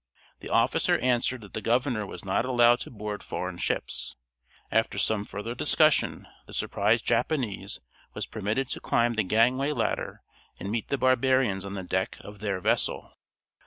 The officer answered that the governor was not allowed to board foreign ships. After some further discussion the surprised Japanese was permitted to climb the gangway ladder and meet the barbarians on the deck of their vessel.